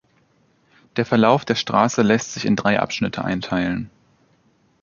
Der Verlauf der Strasse lässt sich in drei Abschnitte einteilen.